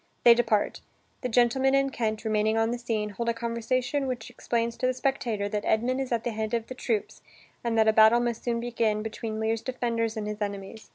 They depart. The gentleman and Kent, remaining on the scene, hold a conversation which explains to the spectator that Edmund is at the head of the troops and that a battle must soon begin between Lear's defenders and his enemies.